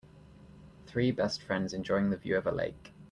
Three best friends enjoying the view of a lake.